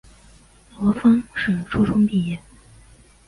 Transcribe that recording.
罗烽是初中毕业。